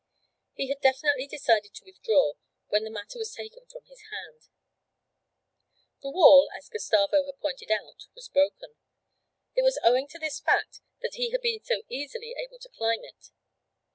He had definitely decided to withdraw, when the matter was taken from his hands. The wall as Gustavo had pointed out was broken; it was owing to this fact that he had been so easily able to climb it.